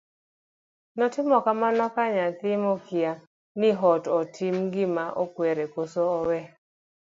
notimo kamano ka nyathi makia ni to otim gima okwere koso owe